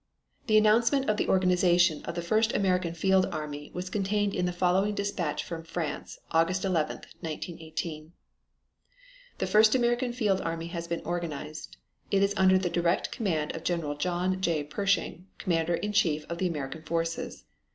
The announcement of the organization of the first American Field Army was contained in the following dispatch from France, August 11, 1918: "The first American field army has been organized. It is under the direct command of General John J. Pershing, Commander in Chief of the American forces.